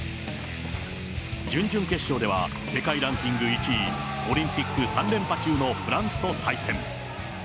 準々決勝では、世界ランキング１位、オリンピック３連覇中のフランスと対戦。